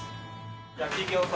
焼き餃子。